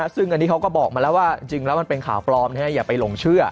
ซึ่งอันนี้เขาก็บอกมาแล้วว่าจริงแล้วมันเป็นข่าวปลอมอย่าไปหลงเชื่อ